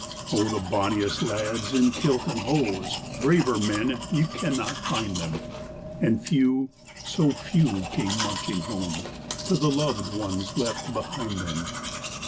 Oh, the bonniest lads in kilt and hose Braver men, you cannot find them And few, so few, came marching home To the loved ones left behind them.